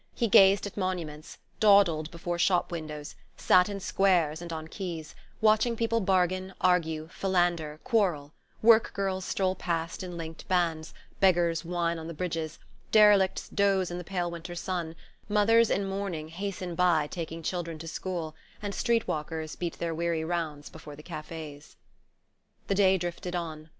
He gazed at monuments dawdled before shop windows, sat in squares and on quays, watching people bargain, argue, philander, quarrel, work girls stroll past in linked bands, beggars whine on the bridges, derelicts doze in the pale winter sun, mothers in mourning hasten by taking children to school, and street walkers beat their weary rounds before the cafes. The day drifted on.